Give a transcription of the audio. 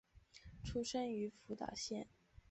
出身于福岛县。